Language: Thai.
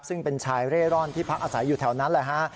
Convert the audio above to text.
ซึ่งเป็นชายเร่ร่อนที่พักอาศัยอยู่แถวนั้นแหละฮะ